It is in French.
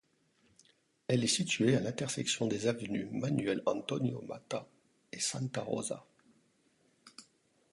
Elle est située à l'intersection des avenues Manuel Antonio Matta et Santa Rosa.